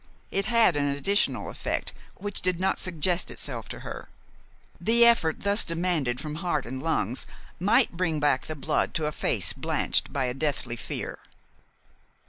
It had an additional effect which did not suggest itself to her. The effort thus demanded from heart and lungs might bring back the blood to a face blanched by a deadly fear.